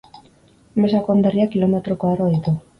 Mesa konderriak kilometro koadro ditu.